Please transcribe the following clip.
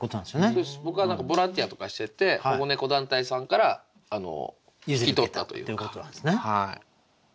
僕が何かボランティアとかしてて保護猫団体さんから引き取ったというか。